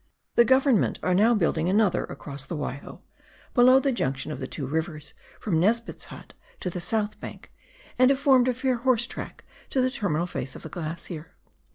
The Government are now building another across the Waiho, below the junction of the two rivers, from Nesbitt's hut to the south bank, and have formed a fair horse track to the terminal face of the glacier.